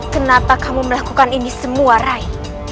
kenapa kamu melakukan ini semua rai